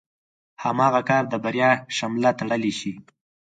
هماغه کار د بريا شمله تړلی شي.